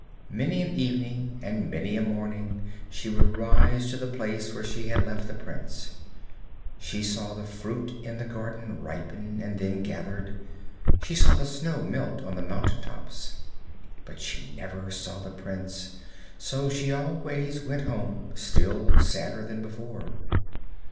Many an evening and many a morning she would rise to the place where she had left the prince. She saw the fruit in the garden ripen, and then gathered, she saw the snow melt on the mountain tops, but she never saw the prince, so she always went home still sadder than before.